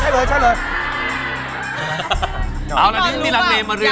ใช่เลยใช่เลยใช่เลย